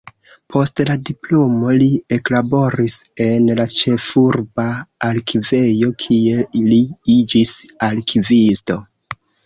Post la diplomo li eklaboris en la ĉefurba arkivejo, kie li iĝis arkivisto.